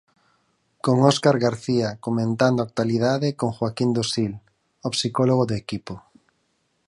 Con Óscar García comentando a actualidade con Joaquín Dosil, o psicólogo do equipo.